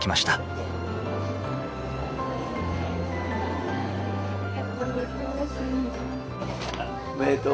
おめでとうございます。